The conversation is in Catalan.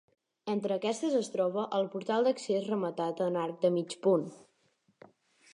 Entre aquestes es troba el portal d'accés rematat en arc de mig punt.